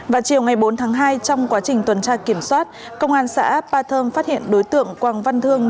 vào chiều ngày bốn tháng hai trong quá trình tuần tra kiểm soát công an xã ba thơm phát hiện đối tượng quang văn thương